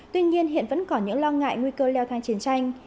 tuy nhiên hiện vẫn còn những lo ngại nguy cơ leo thang chiến tranh